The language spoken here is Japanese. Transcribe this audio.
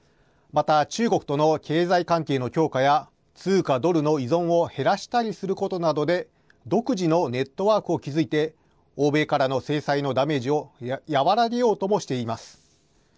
また、中国との経済関係の強化や、通貨ドルの依存を減らしたりすることで独自のネットワークを築いて欧米からの制裁のダメージを和らげようともしています。